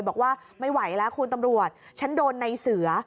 บอกว่าไม่ไหวแล้วคุณตำรวจฉันโดนในเสือ